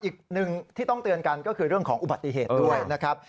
อีกหนึ่งที่ต้องเตือนกันก็คือเรื่องของอุบัติเหตุด้วยนะครับ